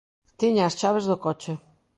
Tiña as chaves do coche.